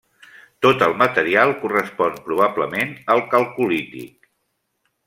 Tot el material correspon probablement al calcolític.